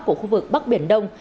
của khu vực bắc biển đông